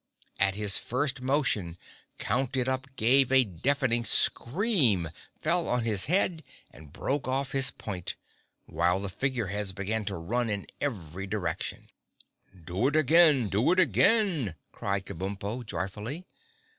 At his first motion Count It Up gave a deafening scream, fell on his head and broke off his point, while the Figure Heads began to run in every direction. [Illustration: (unlabelled)] "Do it again! Do it again!" cried Kabumpo joyfully.